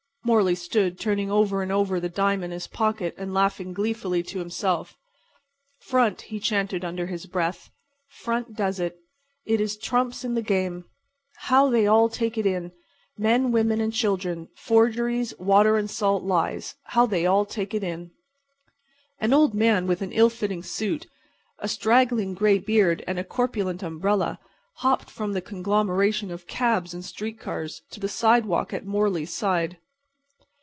Morley stood, turning over and over the dime in his pocket and laughing gleefully to himself. "'Front,'" he chanted under his breath; "'front' does it. It is trumps in the game. How they take it in! Men, women and children—forgeries, water and salt lies—how they all take it in!" An old man with an ill fitting suit, a straggling gray beard and a corpulent umbrella hopped from the conglomeration of cabs and street cars to the sidewalk at Morley's side.